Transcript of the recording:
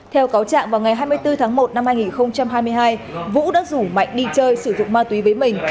theo cáo trạng vào ngày hai mươi bốn tháng một năm hai nghìn hai mươi hai vũ đã rủ mạnh đi chơi sử dụng ma túy với mình